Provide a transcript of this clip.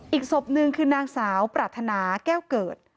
อีกศพหนึ่งคือนางสาวปรารถนาแก้วเกิด